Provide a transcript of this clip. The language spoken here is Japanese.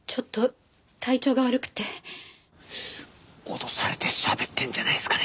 脅されてしゃべってるんじゃないですかね？